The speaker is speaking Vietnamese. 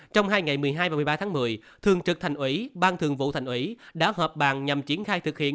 trong hai ngày một mươi hai và một mươi ba tháng một mươi thường trực thành ủy ban thường vụ thành ủy đã họp bàn nhằm triển khai thực hiện